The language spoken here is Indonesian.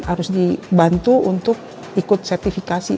harus dibantu untuk ikut sertifikasi